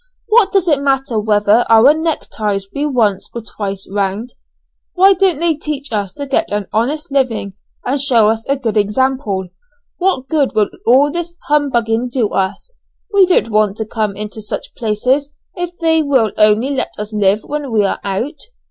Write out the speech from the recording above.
What does it matter whether our neck ties be once or twice round? Why don't they teach us to get an honest living and show us a good example? What good will all this humbugging do us? We don't want to come into such places if they will only let us live when we are out.